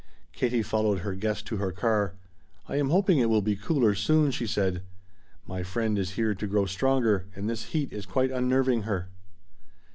Katie followed her guest to her car. "I am hoping it will be cooler soon," she said. "My friend is here to grow stronger, and this heat is quite unnerving her."